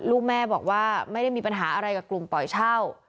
ลูกแม่บอกว่าไม่ได้มีปัญหาอะไรกับกลุ่มปล่อยเช่า